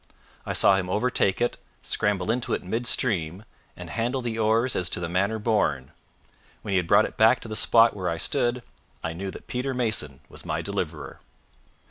I saw him overtake it, scramble into it in midstream, and handle the oars as to the manner born. When he had brought it back to the spot where I stood, I knew that Peter Mason was my deliverer.